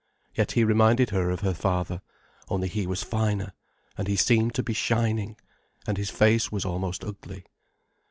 Yet he reminded her of her father, only he was finer, and he seemed to be shining. And his face was almost ugly.